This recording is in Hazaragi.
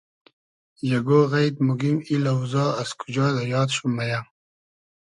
یئگۉ غݷد موگیم ای لۆزا از کوجا دۂ یاد شوم مېیۂ